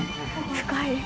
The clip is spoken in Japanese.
深い。